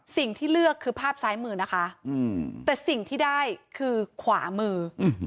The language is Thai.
สิ่งที่เลือกคือภาพซ้ายมือนะคะแต่สิ่งที่ได้คือขวามือ